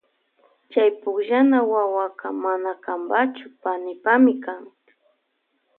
Chay pukllana wawaka mana kanpachu panipami kan.